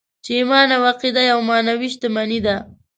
چې ايمان او عقیده يوه معنوي شتمني ده.